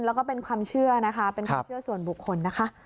แล้วก็เป็นความเชื่อนะคะเป็นความเชื่อส่วนบุคคลนะคะ